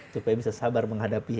supaya bisa sabar menghadapi